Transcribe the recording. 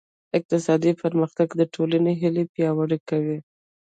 اقتصادي پرمختګ د ټولنې هیلې پیاوړې کوي.